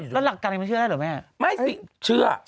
แล้วก็วัยสูงอายุ